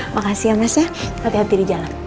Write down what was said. makasih ya mas ya hati hati di jalan